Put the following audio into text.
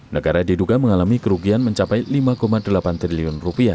negara diduga mengalami kerugian mencapai rp lima delapan triliun